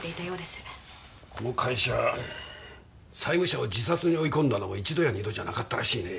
この会社債務者を自殺に追い込んだのも一度や二度じゃなかったらしいね。